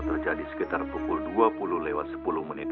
terjadi sekitar pukul dua puluh lewat sepuluh menit